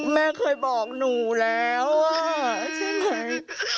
มันบอกหนูแล้วว่าใช่ไหม